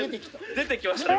出てきましたね